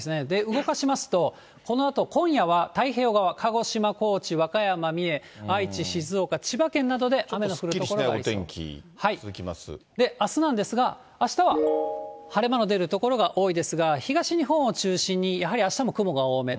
動かしますと、このあと今夜は太平洋側、鹿児島、高知、和歌山、三重、愛知、静岡、千葉県などですっきりしないお天気続きまあすなんですが、あしたは晴れ間の出る所が多いですが、東日本を中心にやはりあしたも雲が多め。